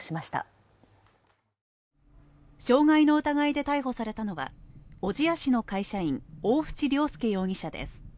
傷害の疑いで逮捕されたのは小千谷市の会社員、大渕良輔容疑者です。